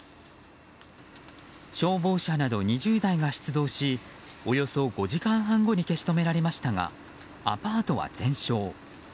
消防車など２０台が出動しおよそ５時間半後に消し止められましたがアパートは全焼。